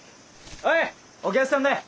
おいお客さんだよ。